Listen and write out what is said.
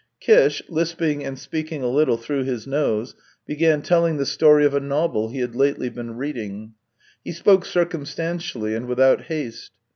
Kish, lisping and speaking a little through his nose, began telling the story of a novel he had lately been reading. He spoke circumstantially and without haste.